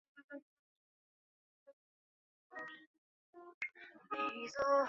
相关单位并于一周后完成更名作业。